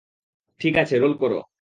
ঠিক আছে, রোল করো।